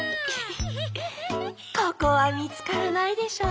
ここはみつからないでしょう。